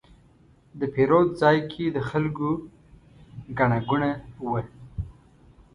د پیرود ځای کې د خلکو ګڼه ګوڼه وه.